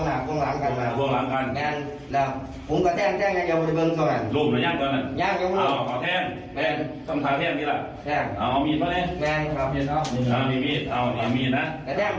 อ่าโอเคไปขึ้นรถไปจุด